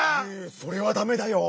それはダメだよ。